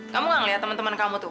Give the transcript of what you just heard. kamu gak ngeliat temen temen kamu tuh